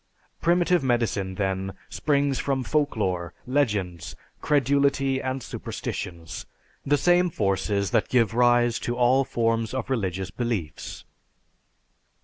Primitive medicine, then, springs from folklore, legends, credulity, and superstitions; the same forces that give rise to all forms of religious beliefs.